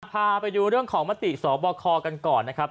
พาไปดูเรื่องของมติสบคกันก่อนนะครับ